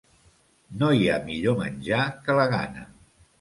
No hi ha millor menjar que la gana.